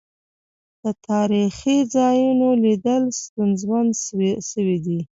د تاريخي ځا يونوليدل ستونزمن سويدی.